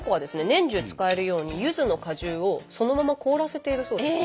年中使えるようにゆずの果汁をそのまま凍らせているそうです。